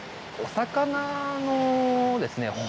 お魚のですね